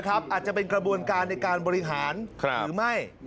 อาจจะเป็นกระบวนการในการบริหารหรือไม่